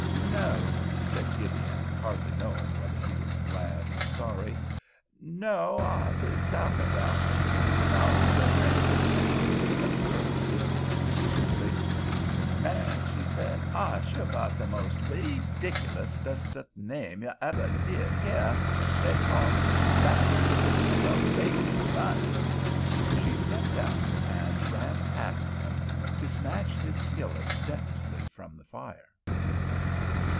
"No," said Gideon, hardly knowing whether he was glad or sorry—"no, I live south of heah. What all's yo' name?" The girl giggled deliciously. "Man," she said, "I shu got the mos' reediculoustest name you eveh did heah. They call me Vashti—yo' bacon's bu'nin'." She stepped out, and ran past him to snatch his skillet deftly from the fire.